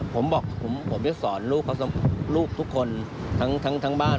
ผมบอกผมจะสอนลูกทุกคนทั้งบ้าน